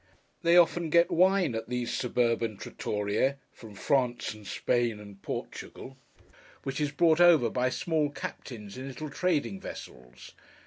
They often get wine at these suburban Trattorie, from France and Spain and Portugal, which is brought over by small captains in little trading vessels.